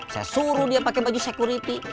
saya suruh dia pakai baju security